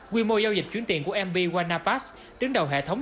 quy mô giao dịch chuyển tiền của mb qua napas đứng đầu hệ thống